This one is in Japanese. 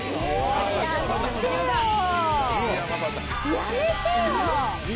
やめてよ。